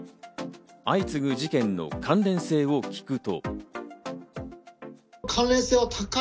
相次ぐ事件の関連性を聞くと。